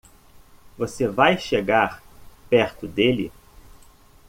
Você vai chegar perto dele?